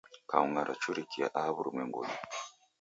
Kaunga rachurikia aha wurumwengunyi